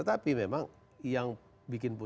tetapi memang yang bikin